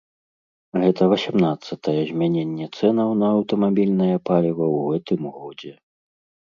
Гэта васямнаццатае змяненне цэнаў на аўтамабільнае паліва ў гэтым годзе.